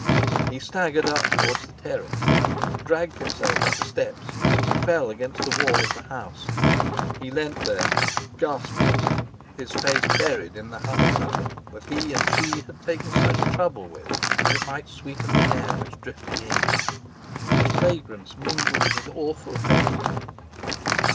He staggered up toward the terrace, dragged himself up the steps, and fell against the wall of the house. He leaned there gasping, his face buried in the honey suckle that he and she had taken such trouble with that it might sweeten the air which drifted in. Its fragrance mingled with awful pain.